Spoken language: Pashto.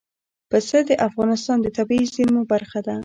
پسه د افغانستان د طبیعي زیرمو برخه ده.